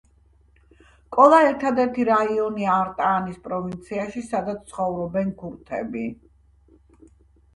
კოლა ერთადერთი რაიონია არტაანის პროვინციაში, სადაც ცხოვრობენ ქურთები.